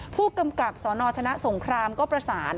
ผู้กำกับสนชนะสงครามก็ประสาน